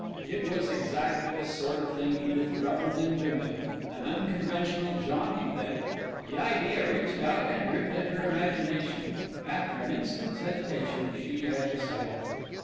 It was exactly the sort of thing Edith revelled in doing an unconventional, jaunty thing. The idea reached out and gripped at her imagination after an instant's hesitation she had decided.